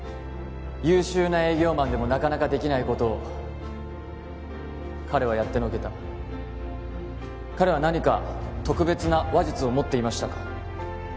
優秀な営業マンでもなかなかできないことを彼はやってのけた彼は何か特別な話術を持っていましたか？